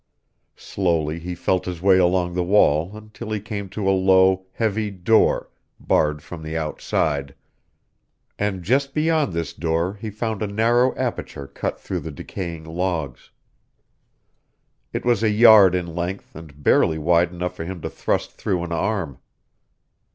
Slowly he felt his way along the wall until he came to a low, heavy door, barred from the outside, and just beyond this door he found a narrow aperture cut through the decaying logs. It was a yard in length and barely wide enough for him to thrust through an arm.